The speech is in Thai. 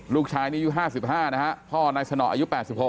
ลูกชายนี้อายุ๕๕นะฮะพ่อนายสนออายุ๘๖